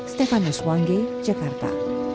stefanus wangge jakarta